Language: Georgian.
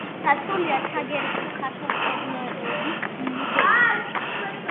დაცულია ცაგერის მხარეთმცოდნეობის მუზეუმში.